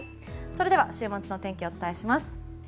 それでは週末のお天気をお伝えします。